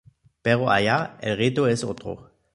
Pero allá el reto es otro.